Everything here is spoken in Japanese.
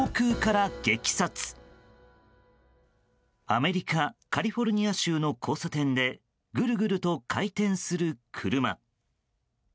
アメリカ・カリフォルニア州の交差点でぐるぐると回転する車。